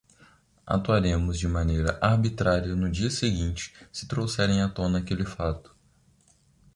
Atuaremos de maneira arbitrária no dia seguinte se trouxerem à tona aquele fato